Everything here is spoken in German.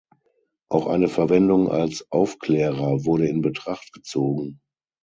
Auch eine Verwendung als Aufklärer wurde in Betracht gezogen.